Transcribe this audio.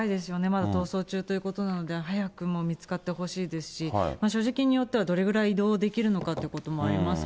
まだ逃走中ということなので、早く見つかってほしいですし、所持金によっては、どれくらい移動できるのかということもあります